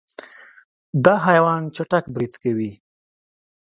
دا حیوان چټک برید کوي.